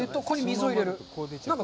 ここに水を入れる。